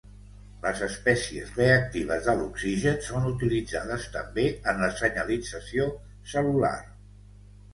Les espècies reactives de l'oxigen són utilitzades també en la senyalització cel·lular.